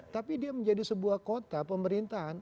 tapi dia menjadi sebuah kota pemerintahan